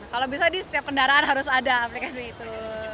kalau bisa di setiap kendaraan harus ada aplikasi itu